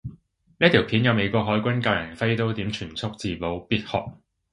呢條片有美國海軍教有人揮刀點全速自保，必學